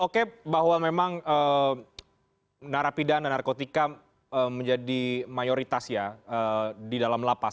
oke bahwa memang narapidana narkotika menjadi mayoritas ya di dalam lapas